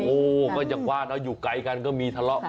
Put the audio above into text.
โอ้ก็อย่างว่าอยู่ไกลกันก็มีทะเลาะ